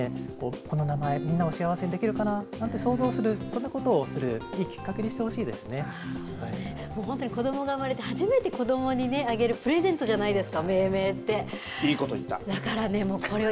この名前、みんなを幸せにできるかな、なんて想像するそんなことをするいいきっかけに本当に子どもが生まれて初めて子どもにあげるプレゼントじゃないですかいいこと言った。